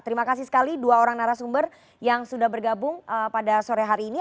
terima kasih sekali dua orang narasumber yang sudah bergabung pada sore hari ini